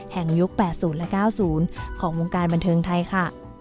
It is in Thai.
ยุค๘๐และ๙๐ของวงการบันเทิงไทยค่ะ